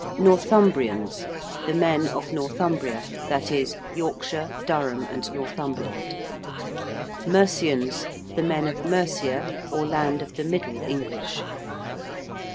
~Northumbrians~: the men of Northumbria that is, Yorkshire, Durham, and Northumberland. ~Mercians~: the men of Mercia, or land of the Middle English.